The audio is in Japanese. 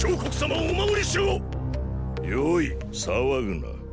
よい騒ぐな。